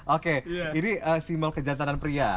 oke ini simbol kejantanan pria